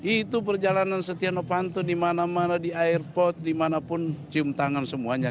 itu perjalanan setia novanto di mana mana di airport dimanapun cium tangan semuanya